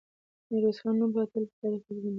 د میرویس خان نوم به تل په تاریخ کې ژوندی وي.